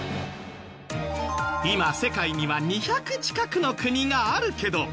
今世界には２００近くの国があるけど。